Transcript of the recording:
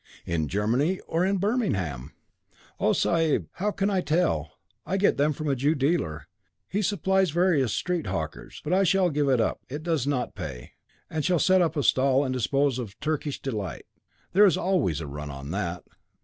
'In Germany or in Birmingham?' 'Oh, sahib, how can I tell? I get them from a Jew dealer. He supplies various street hawkers. But I shall give it up it does not pay and shall set up a stall and dispose of Turkish Delight. There is always a run on that.